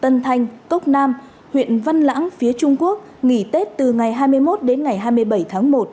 tân thanh cốc nam huyện văn lãng phía trung quốc nghỉ tết từ ngày hai mươi một đến ngày hai mươi bảy tháng một